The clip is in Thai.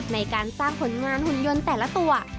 ในการสร้างผลงานหุ่นยนต์แต่ละตัว